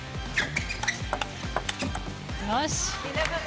よし。